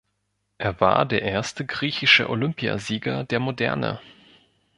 Er war der erste griechische Olympiasieger der Moderne.